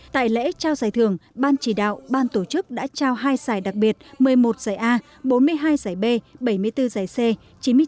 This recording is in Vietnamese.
tại lễ trao giải thưởng ban chỉ đạo ban tổ chức đã trao hai giải đặc biệt một mươi một giải a bốn mươi hai giải b bảy mươi bốn giải c